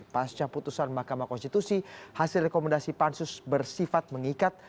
pasca putusan mahkamah konstitusi hasil rekomendasi pansus bersifat mengikat